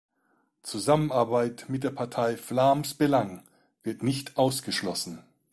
Zusammenarbeit mit der Partei Vlaams Belang wird nicht ausgeschlossen.